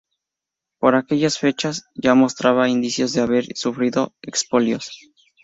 Por aquellas fechas ya mostraba indicios de haber sufrido expolios.